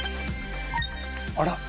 あら？